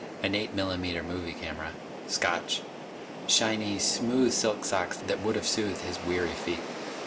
An eight millimeter movie camera. Scotch. Shiny, smooth silk socks that would have soothed his weary feet.